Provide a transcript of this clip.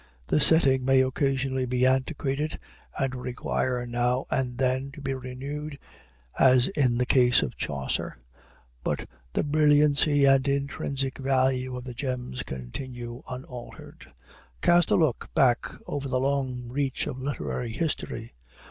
The setting may occasionally be antiquated, and require now and then to be renewed, as in the case of Chaucer; but the brilliancy and intrinsic value of the gems continue unaltered. Cast a look back over the long reach of literary history.